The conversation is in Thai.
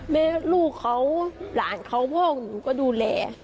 แม่ลูกเขาหลานเขาพ่อของหนูก็ดูแล